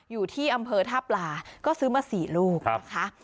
อยู่ที่อำเภอท่าปลาก็ซื้อมา๔ลูกนะคะ